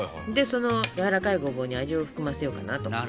そのやわらかいごぼうに味を含ませようかなと。